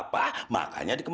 kamu kan tau